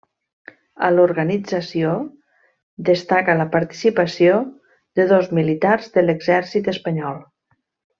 A l'organització destaca la participació de dos militars de l'Exèrcit espanyol.